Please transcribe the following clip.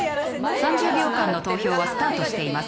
３０秒間の投票はスタートしています。